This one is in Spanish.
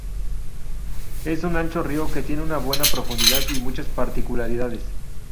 Es un ancho río que tiene una buena profundidad y muchas particularidades.